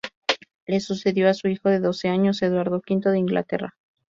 Le sucedió su hijo de doce años, Eduardo V de Inglaterra.